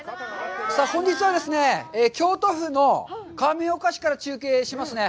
本日はですね、京都府の亀岡市から中継しますね。